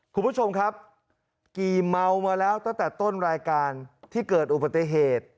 คุณผู้ชมครับกี่เมามาแล้วตั้งแต่ต้นรายการที่เกิดอุบัติเหตุ